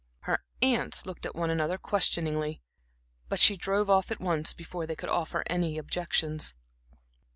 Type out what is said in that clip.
Her aunts looked at one another questioningly; but she drove off at once, before they could offer any objections.